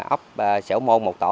ốc sẻo môn một tổ